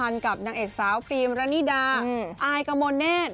นางเอกสาวพรีมรานีดาอายกะโมเนท